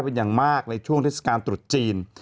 เป็นอย่างมากในช่วงเทศกาลตรุษจีน